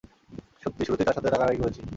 সত্যি, শুরুতেই তার সাথে রাগারাগি করেছি।